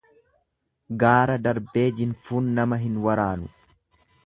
Gaara darbeejinfuun nama hin waraanu.